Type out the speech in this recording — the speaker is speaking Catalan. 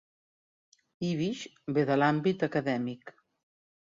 Ibish ve de l'àmbit acadèmic.